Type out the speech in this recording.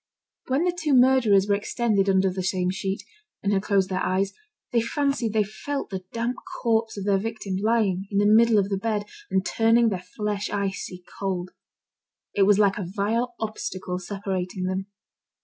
When the two murderers were extended under the same sheet, and had closed their eyes, they fancied they felt the damp corpse of their victim, lying in the middle of the bed, and turning their flesh icy cold. It was like a vile obstacle separating them.